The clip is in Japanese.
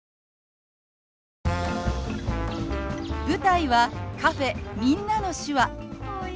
舞台はカフェ「みんなの手話」。